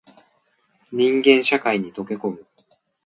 人間社会に溶け込む